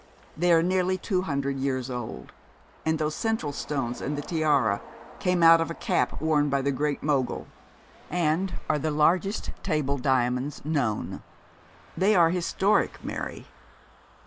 They are nearly two hundred years old; and those central stones in the tiara came out of a cap worn by the Great Mogul, and are the largest table diamonds known. They are historic, Mary.'